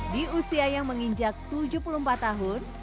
di usia yang menginjak tujuh puluh empat tahun